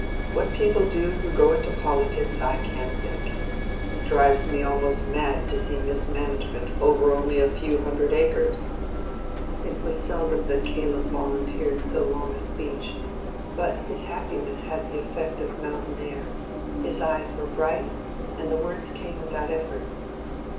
What people do who go into politics I can't think: it drives me almost mad to see mismanagement over only a few hundred acres." It was seldom that Caleb volunteered so long a speech, but his happiness had the effect of mountain air: his eyes were bright, and the words came without effort.